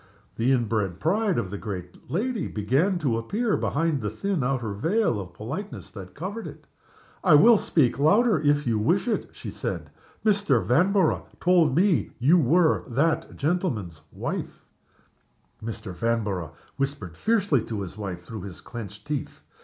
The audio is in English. The inbred pride of the great lady began to appear behind the thin outer veil of politeness that covered it. "I will speak louder if you wish it," she said. "Mr. Vanborough told me you were that gentleman's wife." Mr. Vanborough whispered fiercely to his wife through his clenched teeth.